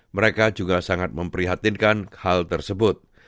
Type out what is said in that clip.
mereka juga sangat memprihatinkan hal tersebut